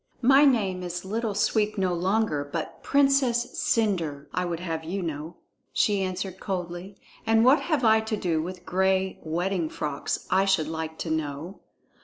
"My name is Little Sweep no longer, but Princess Cendre, I would have you know," she answered coldly. "And what have I to do with gray wedding frocks, I should like to know?"